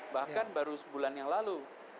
bahkan baru sebulan yang lalu